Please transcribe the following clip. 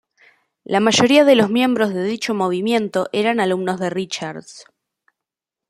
La mayoría de los miembros de dicho movimiento eran alumnos de Richards.